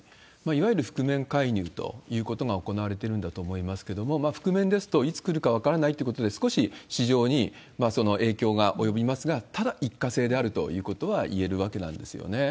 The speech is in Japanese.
いわゆる覆面介入ということが行われているんだと思いますけれども、覆面ですと、いつ来るか分からないってことで、少し市場にその影響が及びますが、ただ一過性であるということはいえるわけなんですよね。